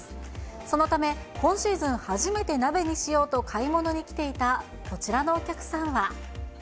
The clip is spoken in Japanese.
そのため、今シーズン初めて鍋にしようと買い物に来ていたこちらのお客さんは。